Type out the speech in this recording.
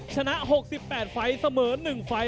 ชนะ๖๘ไฟล์เสมอ๑ไฟล์